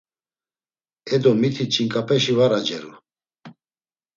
Edo miti ç̌inǩapeşi var aceru.